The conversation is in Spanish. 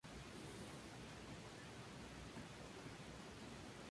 En la fachada se pueden apreciar numerosos detalles cuidados y de calidad.